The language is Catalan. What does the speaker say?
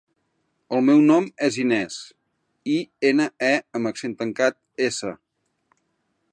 El meu nom és Inés: i, ena, e amb accent tancat, essa.